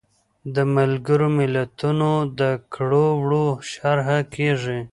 د ملګرو ملتونو د کړو وړو شرحه کیږي.